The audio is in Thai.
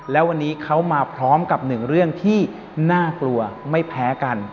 แล้ววันนี้เขามาพร้อมกับหนึ่งเรื่องที่น่ากลัวไม่แพ้กัน